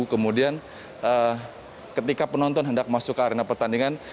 kemudian ketika penonton hendak masuk ke arena pertandingan